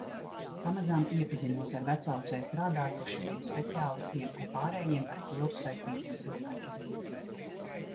Pamazām iepazinos ar Vecaucē strādājošajiem speciālistiem un pārējiem ar Hildu saistītiem cilvēkiem.